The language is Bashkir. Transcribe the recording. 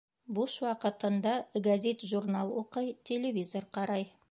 Буш ваҡытында гәзит-журнал уҡый, телевизор ҡарай.